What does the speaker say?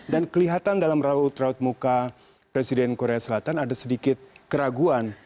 dan kelihatan dalam raut raut muka presiden korea selatan ada sedikit keraguan